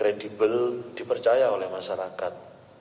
yang dipercaya oleh masyarakat